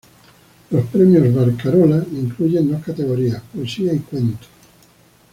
Los Premios Barcarola incluyen dos categorías: poesía y cuento.